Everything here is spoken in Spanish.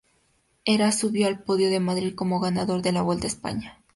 Heras subió al podio de Madrid como ganador de la Vuelta a España.